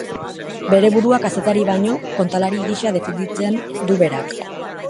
Bere burua kazetari baino, kontalari gisa definitzen du berak.